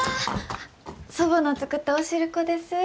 祖母の作ったお汁粉です。